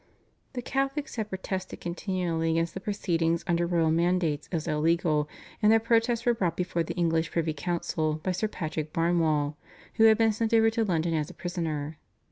" The Catholics had protested continually against the proceedings under royal mandates as illegal, and their protests were brought before the English privy council by Sir Patrick Barnewall, who had been sent over to London as a prisoner.